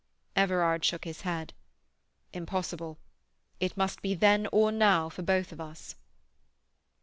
Everard shook his head. "Impossible. It must be then or now for both of us."